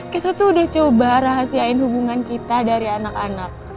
kita tuh udah coba rahasiain hubungan kita dari anak anak